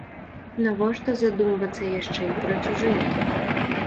Навошта задумвацца яшчэ і пра чужыя?